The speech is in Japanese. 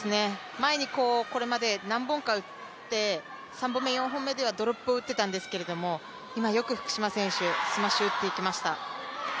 前にこれまで何本か打って、３本目、４本目ではドロップを打ってたんですけど今よく、福島選手スマッシュ打っていきました。